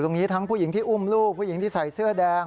ทั้งนี้ทั้งผู้หญิงที่อุ้มลูกผู้หญิงที่ใส่เสื้อแดง